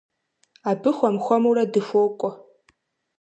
Абы хуэм-хуэмурэ дыхуокӏуэ.